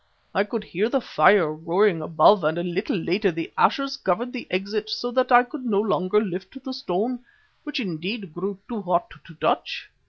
I could hear the fire roaring above and a little later the ashes covered the exit so that I could no longer lift the stone, which indeed grew too hot to touch.